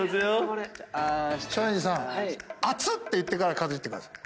松陰寺さん熱っ！って言ってからかじってください。